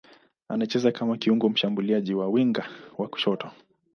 Anacheza kama kiungo mshambuliaji au winga wa kushoto.